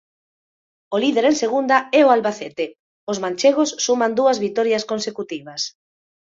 O líder en segunda é o Albacete, os manchegos suman dúas vitorias consecutivas.